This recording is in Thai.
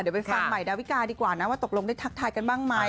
เดี๋ยวไปฟังใหม่ดาวิกาดีกว่านะว่าตกลงได้ทักทายกันบ้างไหม